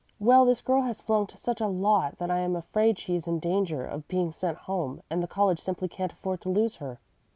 Well, this girl has flunked such a lot that I am afraid she is in danger of being sent home, and the college simply can't afford to lose her.